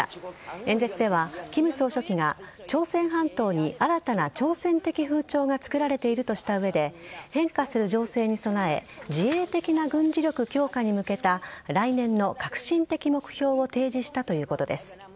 演説では金総書記が朝鮮半島に新たな挑戦的風潮が作られているとした上で変化する情勢に備え自衛的な軍事力強化に向けた来年の核心的目標を提示したということです。